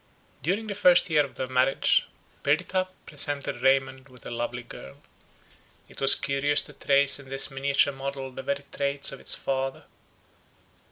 During the first year of their marriage, Perdita presented Raymond with a lovely girl. It was curious to trace in this miniature model the very traits of its father.